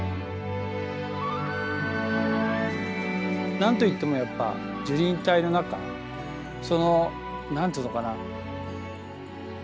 何と言ってもやっぱ樹林帯の中その何て言うのかな